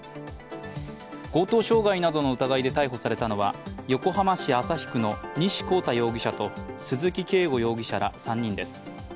強盗傷害などの疑いで逮捕されたのは横浜市旭区の西康太容疑者と鈴木慶吾容疑者ら３人です。